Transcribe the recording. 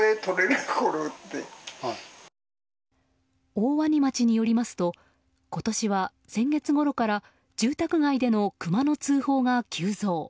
大鰐町によりますと今年は先月ごろから住宅街でのクマの通報が急増。